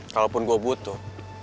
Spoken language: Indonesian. kalaupun gue butuh